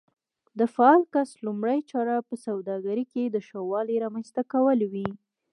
د فعال کس لومړۍ چاره په سوداګرۍ کې د ښه والي رامنځته کول وي.